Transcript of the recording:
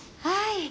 はい。